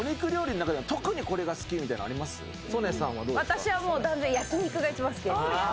私は断然焼き肉が好きです。